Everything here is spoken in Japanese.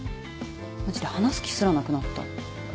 マジで話す気すらなくなった。